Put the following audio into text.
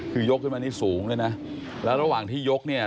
คือยกขึ้นมานี่สูงเลยนะแล้วระหว่างที่ยกเนี่ย